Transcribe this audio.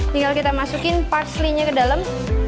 tinggal kita masukkan parsleynya ke dalam